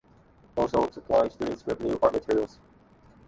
Also supplying students with new art materials.